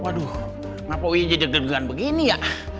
waduh kenapa uya jadi deg degan begini ya